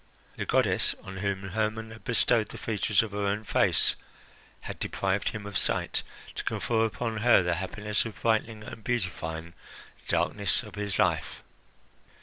The goddess on whom Hermon had bestowed the features of her own face had deprived him of sight to confer upon her the happiness of brightening and beautifying the darkness of his life.